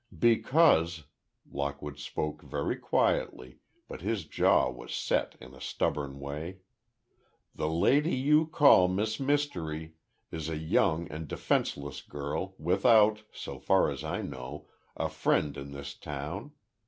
"Because," Lockwood spoke very quietly, but his jaw was set in a stubborn way, "the lady you call Miss Mystery, is a young and defenseless girl, without, so far as I know, a friend in this town.